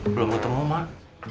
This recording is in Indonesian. belum ketemu mak